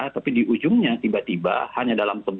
tapi di ujungnya tiba tiba hanya dalam sebuah